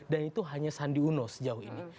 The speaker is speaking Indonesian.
dan itu hanya sandi uno sejauh ini